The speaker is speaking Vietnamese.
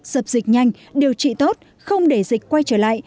dập dịch nhanh điều trị tốt không để dịch quay trở lại